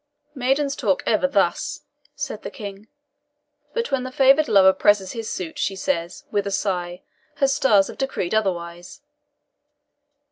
"Maidens talk ever thus," said the King; "but when the favoured lover presses his suit, she says, with a sigh, her stars had decreed otherwise."